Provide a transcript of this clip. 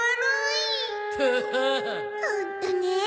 ホントねえ。